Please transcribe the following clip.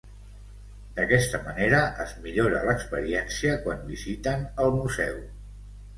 D'aquesta manera es millora l'experiència quan visiten el museu.